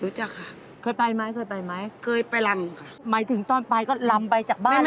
ครับเป็นคนจังหวัดชายภูมย์ตั้งแต่เกิดไหม